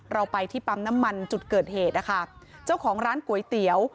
เราไปที่ปั๊มน้ำมันจุดเกิดเหตุนะคะเจ้าของร้านก๋วยเตี๋ยว